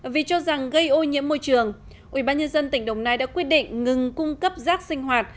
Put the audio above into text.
vì cho rằng gây ô nhiễm môi trường ubnd tỉnh đồng nai đã quyết định ngừng cung cấp rác sinh hoạt